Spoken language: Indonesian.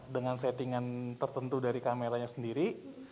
dengan settingan tertentu dari kameranya sendiri